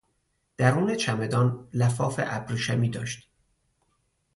درون چمدان لفاف ابریشمی داشت.